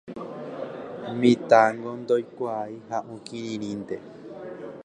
Mitãngo ndoikuaái ha okirirĩnte.